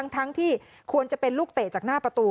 ทั้งที่ควรจะเป็นลูกเตะจากหน้าประตู